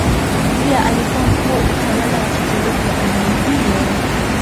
Pia alikuwa mkuu wa utawala wa kikoloni wa eneo hilo.